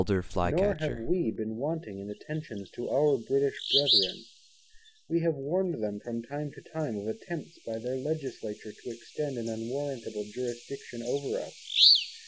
Nor have We been wanting in attention to our Brittish brethren. We have warned them from time to time of attempts by their legislature to extend an unwarrantable jurisdiction over us.